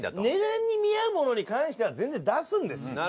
値段に見合うものに関しては全然出すんです。